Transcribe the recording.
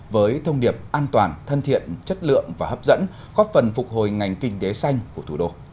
với thông điệp an toàn thân thiện chất lượng và hấp dẫn góp phần phục hồi ngành kinh tế xanh của thủ đô